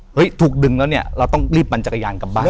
ถูกดึงแล้วเนี่ยเราต้องรีบปั่นจักรยานกลับบ้าน